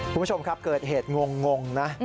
คุณผู้ชมครับเกิดเหตุงงนะ